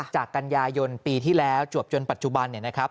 จากกัญญาโยนปีที่แล้วจวบจนปัจจุบัน